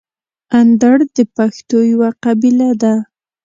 اندړ د پښتنو یوه قبیله ده.